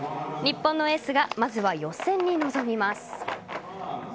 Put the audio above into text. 日本のエースがまずは予選に臨みます。